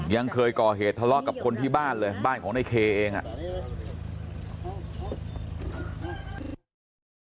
ยังเคยก่อเหตุทะเลาะกับคนที่บ้านเลยบ้านของในเคเองอ่ะ